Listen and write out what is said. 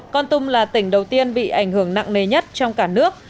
con tum là tỉnh đầu tiên bị ảnh hưởng nặng nề nhất trong cả nước